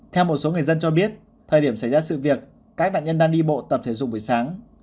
theo một số người dân cho biết thời điểm xảy ra sự việc các nạn nhân đang đi bộ tập thể dục buổi sáng